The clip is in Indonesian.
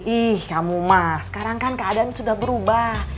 ih kamu mah sekarang kan keadaan sudah berubah